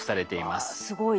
わすごい。